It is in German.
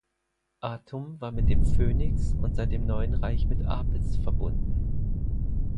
Atum war mit dem Phönix und seit dem Neuen Reich mit Apis verbunden.